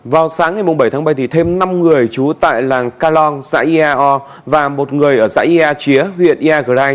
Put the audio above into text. vào sáng ngày bảy tháng bảy thêm năm người trú tại làng calong xã ia o và một người ở xã ia chía huyện ia grai